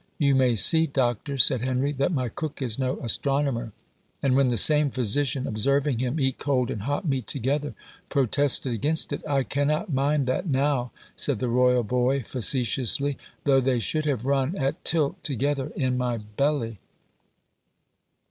"You may see, doctor," said Henry, "that my cook is no astronomer." And when the same physician, observing him eat cold and hot meat together, protested against it, "I cannot mind that now," said the royal boy, facetiously, "though they should have run at tilt together in my belly."